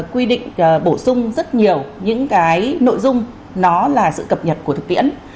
quy định bổ sung rất nhiều những cái nội dung nó là sự cập nhật của thực tiễn